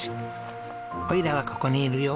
オイラはここにいるよ！